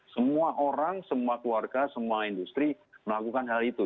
semua orang semua keluarga semua industri melakukan hal itu